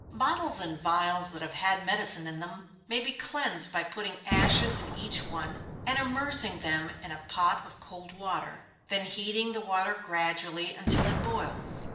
_ Bottles and vials that have had medicine in them, may be cleansed by putting ashes in each one, and immersing them in a pot of cold water, then heating the water gradually, until it boils.